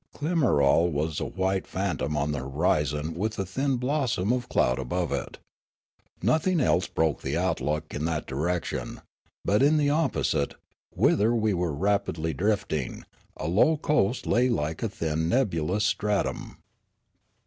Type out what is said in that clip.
Klimarol was a white phantom on the horizon with a thin blos som of cloud above it. Nothing else broke the outlook in that direction ; but in the opposite, whither we were rapidly drifting, a low coast lay like a thin nebulous stratum.